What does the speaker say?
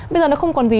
bây giờ nó không còn gì